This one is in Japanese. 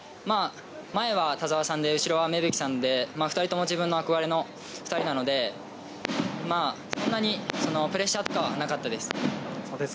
前は田澤さんで後ろは芽吹さんで２人とも自分の憧れなので、そんなにプレッシャーはなかったです。